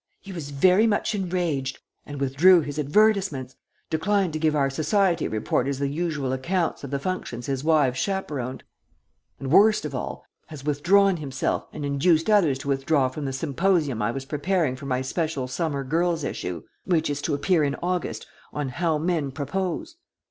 "He was very much enraged, and withdrew his advertisements, declined to give our society reporters the usual accounts of the functions his wives chaperoned, and, worst of all, has withdrawn himself and induced others to withdraw from the symposium I was preparing for my special Summer Girls' issue, which is to appear in August, on 'How Men Propose.'